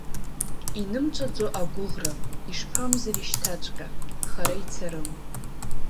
Инымҵәаӡо агәыӷра, ишԥамзари шьҭаҵәҟьа, хара ицарым…